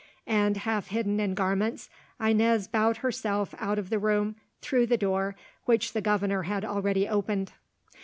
and, half hidden in garments, Inez bowed herself out of the room through the door which the governor had already opened.